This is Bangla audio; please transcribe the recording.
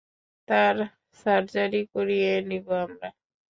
তার সার্জারি করিয়ে নিব আমরা।